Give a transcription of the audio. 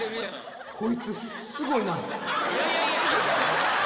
こいつ、すごいな。